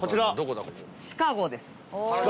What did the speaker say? シカゴです。